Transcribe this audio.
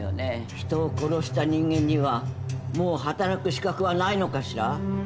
人を殺した人間にはもう働く資格はないのかしら。